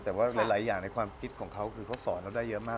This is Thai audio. แต่ว่าหลายอย่างในความคิดของเขาคือเขาสอนเราได้เยอะมาก